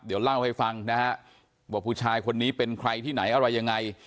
เดี๋ยวเล่าให้ฟังนะฮะว่าผู้ชายคนนี้เป็นใครที่ไหนอะไรยังไง